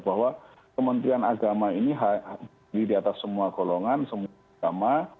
bahwa kementerian agama ini di atas semua golongan semua agama